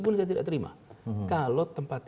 pun saya tidak terima kalau tempat